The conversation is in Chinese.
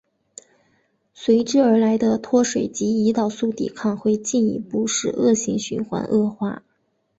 随之而来的脱水及胰岛素抵抗会进一步使恶性循环恶化。